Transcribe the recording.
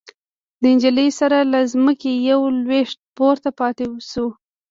د نجلۍ سر له ځمکې يوه لوېشت پورته پاتې شو.